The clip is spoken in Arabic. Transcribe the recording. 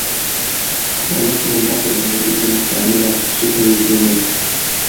وَمَكَرٌ بَاطِنٌ يُرِيدُ أَنْ يَسْتَعْمِلَهُمَا فِي شُبَهٍ دِينِيَّةٍ